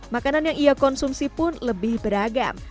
makanan yang ia konsumsi pun lebih beragam